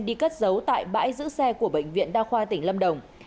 đi cất giấu tại bãi giữ xe của bệnh viện đa khoa tỉnh lâm đồng